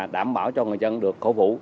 đảm bảo cho người dân được cổ vũ